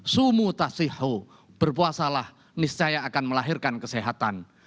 sumu tasihu berpuasalah niscaya akan melahirkan kesehatan